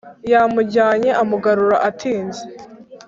yamujyanye amugarura atinze